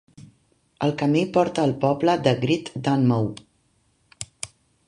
El camí porta al poble de Great Dunmow.